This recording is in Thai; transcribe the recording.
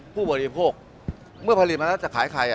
ผู้บริโภคเมื่อผลิตมาแล้วจะขายใคร